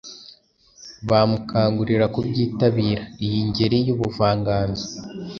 bamukangurira kubyitabira. Iyi ngeri y’ubuvanganzo